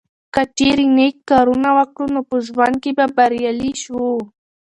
که چیرې نیک کارونه وکړو نو په ژوند کې به بریالي شو.